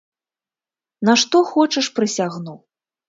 На што хочаш прысягну!